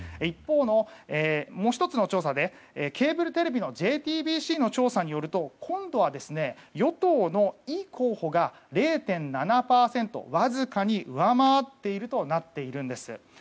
一方、もう１つの調査でケーブルテレビのＪＴＢＣの調査によると今度は与党のイ候補が０．７％わずかに上回っているとなっているんです。